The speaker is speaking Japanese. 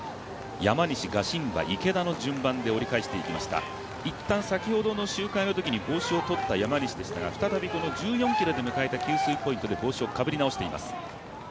山西、ガシンバ、池田の順で折り返していきましたいったん先ほどの周回のときに帽子を取った山西でしたが再び１４ｋｍで迎えた給水ポイントで帽子を再び、かぶり直しています。